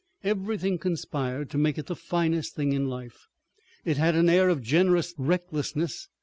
"Everything conspired to make it the finest thing in life. It had an air of generous recklessness.